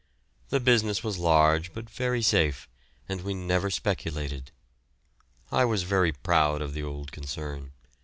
The business was large but very safe, and we never speculated. I was very proud of the old concern.